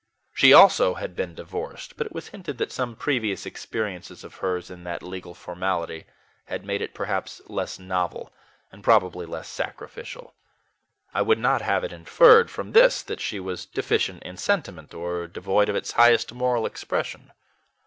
She, also, had been divorced; but it was hinted that some previous experiences of hers in that legal formality had made it perhaps less novel, and probably less sacrificial. I would not have it inferred from this that she was deficient in sentiment, or devoid of its highest moral expression.